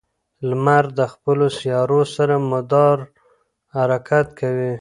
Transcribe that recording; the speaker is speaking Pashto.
لمر د خپلو سیارو سره مدار حرکت کوي.